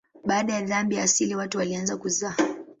Baada ya dhambi ya asili watu walianza kuzaa.